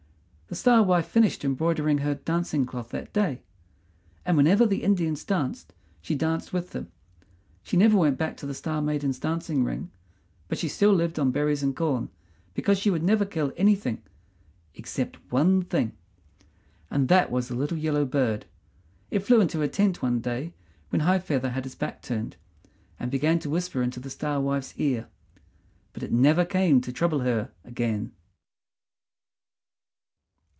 The Star wife finished embroidering her dancing cloth that day; and whenever the Indians danced she danced with them. She never went back to the Star maidens' dancing ring; but she still lived on berries and corn, because she would never kill anything, except one thing, and that was the little yellow bird. It flew into the tent one day when High feather had his back turned, and began to whisper into the Star wife's ear; but it never came to trouble her again.